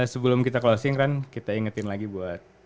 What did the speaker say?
sebelum kita closing kan kita ingetin lagi buat